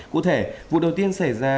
cụ thể vụ đầu tiên xảy ra